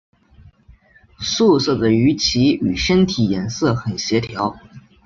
素色的鱼鳍与身体颜色很协调。